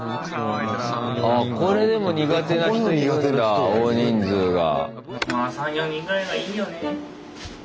これでも苦手な人いるんだ大人数が。